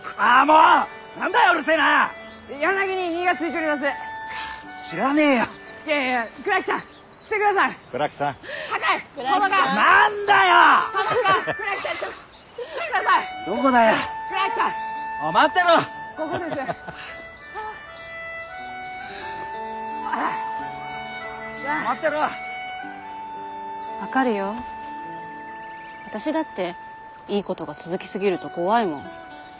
あたしだっていいことが続き過ぎると怖いもん。